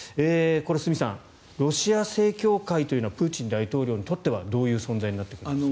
角さん、ロシア正教会というのはプーチン大統領にとってはどういう存在になってくるんですか。